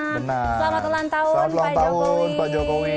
selamat ulang tahun pak jokowi